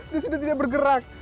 dia sudah tidak bergerak